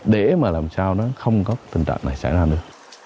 để mà làm sao nó không có tình trạng này xảy ra nữa